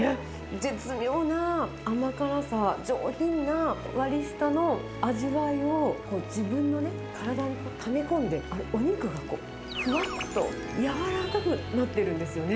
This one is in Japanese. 絶妙な甘辛さ、上品な割下の味わいを自分の体にため込んで、お肉がこう、ふわっと柔らかくなってるんですよね。